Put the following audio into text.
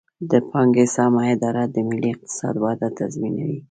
د پانګې سمه اداره د ملي اقتصاد وده تضمینوي.